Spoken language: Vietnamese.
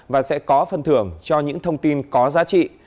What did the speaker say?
và sẽ có phần thưởng cho những thông tin có giá trị